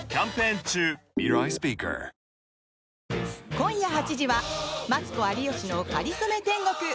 今夜８時は「マツコ＆有吉かりそめ天国」。